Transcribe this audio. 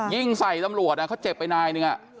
ยิงใส่ตำรวจเขาเจ็บไปนายหนึ่ง